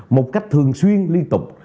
một cách thường xuyên liên tục